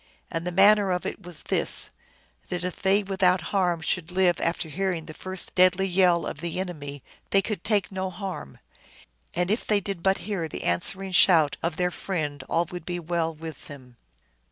And the manner of it was this : that if they without harm should live after hearing the first deadly yell of the enemy they could take no harm, and if they did but hear the answering shout of their friend all would be well with them.